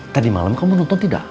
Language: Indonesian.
tadi malam kamu nonton tidak